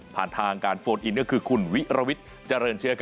ผ่านทางการโฟนอินก็คือคุณวิรวิทย์เจริญเชื้อ